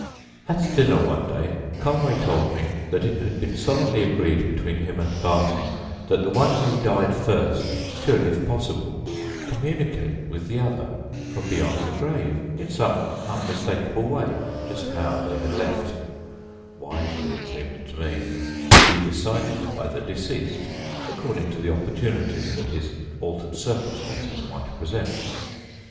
At dinner one day Conway told me that it had been solemnly agreed between him and Barting that the one who died first should, if possible, communicate with the other from beyond the grave, in some unmistakable way—just how, they had left (wisely, it seemed to me) to be decided by the deceased, according to the opportunities that his altered circumstances might present.